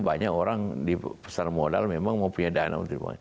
banyak orang di pasar modal memang mau punya dana untuk uang